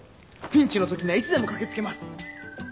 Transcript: ピンチの時にはいつでも駆け付けます！